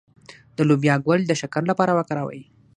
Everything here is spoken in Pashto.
د لوبیا ګل د شکر لپاره وکاروئ